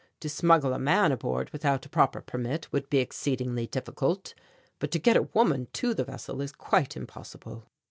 To smuggle a man aboard without a proper permit would be exceedingly difficult, but to get a woman to the vessel is quite impossible."